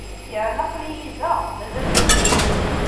Yerna aql-iyi da, mazal-iyi ddreɣ.